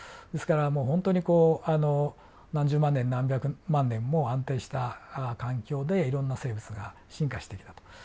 ですからもう本当にこう何十万年何百万年も安定した環境でいろんな生物が進化してきたと。